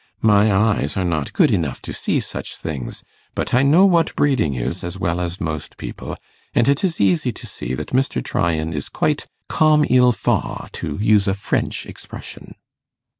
My eyes are not good enough to see such things, but I know what breeding is as well as most people, and it is easy to see that Mr. Tryan is quite comme il faw, to use a French expression.